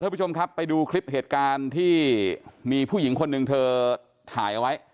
เพื่อนประชงครับไปดูคลิปเหตุการณ์ที่มีผู้หญิงคนนึงเธอถ่ายไว้